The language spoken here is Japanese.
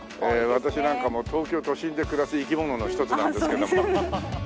私なんかも東京都心で暮らす生き物の一つなんですけど。